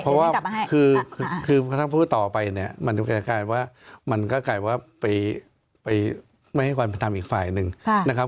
เพราะว่าคือพอเราพูดต่อไปเนี่ยมันก็จะกลายว่าไม่ให้กว่าไปทำอีกฝ่ายหนึ่งนะครับ